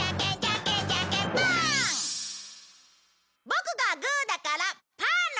ボクがグーだからパーの勝ち！